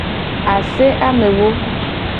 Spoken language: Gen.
Ase amewo.